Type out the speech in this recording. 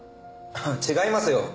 違いますよ。